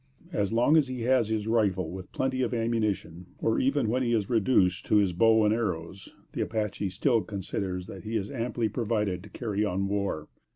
As long as he has his rifle with plenty of ammunition, or even when he is reduced to his bow and arrows, the Apache still considers that he is amply provided to carry on war.